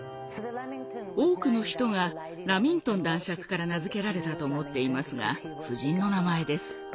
多くの人がラミントン男爵から名付けられたと思っていますが夫人の名前です。